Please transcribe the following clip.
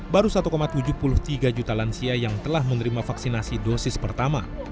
baru satu tujuh puluh tiga juta lansia yang telah menerima vaksinasi dosis pertama